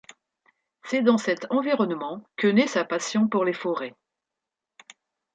C'est dans cet environnement que naît sa passion pour les forêts.